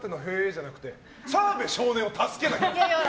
じゃなくて澤部少年を助けろ！